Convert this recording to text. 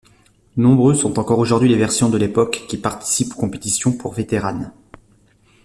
Nombreuses sont encore aujourd'hui les versions de l'époque qui participent aux compétitions pour vétéranes.